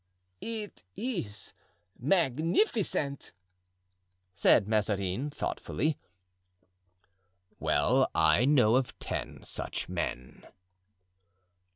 "It is magnificent!" said Mazarin, thoughtfully. "Well, I know of ten such men."